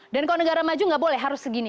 dan kalau negara maju enggak boleh harus segini